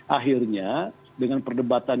akhirnya dengan perdebatan